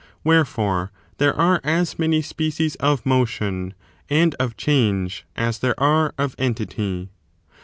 Wherefore, there are as many species of motion and of change as there are of entity.